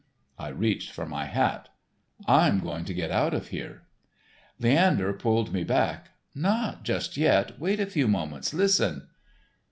I reached for my hat. "I'm going to get out of here." Leander pulled me back. "Not just yet, wait a few moments. Listen."